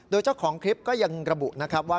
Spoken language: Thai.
โดยเจ้าของคลิปก็ยังระบุนะครับว่า